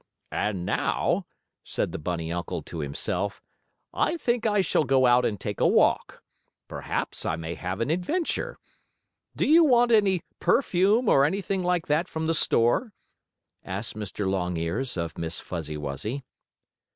"And now," said the bunny uncle to himself, "I think I shall go out and take a walk. Perhaps I may have an adventure. Do you want any perfume, or anything like that from the store?" asked Mr. Longears of Miss Fuzzy Wuzzy.